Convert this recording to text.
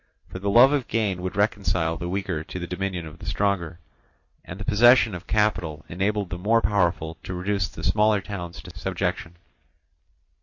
For the love of gain would reconcile the weaker to the dominion of the stronger, and the possession of capital enabled the more powerful to reduce the smaller towns to subjection.